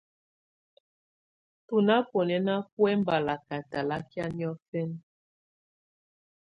Tú ná búnɛ́ná bú ɛmbalakɛ̀ talakɛ̀á nɔ̀fɛna.